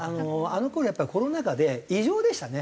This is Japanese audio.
あの頃やっぱりコロナ禍で異常でしたね。